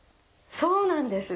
そうなんです。